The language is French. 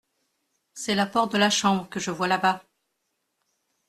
C’est la porte de la chambre que je vois là-bas.